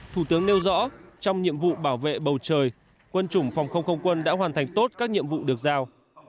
thủ tướng nêu rõ trong nhiệm vụ bảo vệ bầu trời quân chủng phòng không không quân đã hoàn thành tốt các nhiệm vụ được giao